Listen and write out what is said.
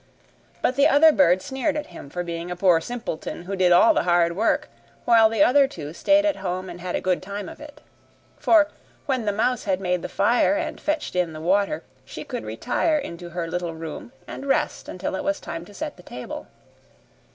But the other bird sneered at him for being a poor simpleton, who did all the hard work, while the other two stayed at home and had a good time of it. For, when the mouse had made the fire and fetched in the water, she could retire into her little room and rest until it was time to set the table.